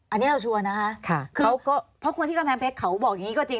อันนี้เราชวนนะคะเพราะคนที่กำแพงเพชรเขาบอกอย่างนี้ก็จริง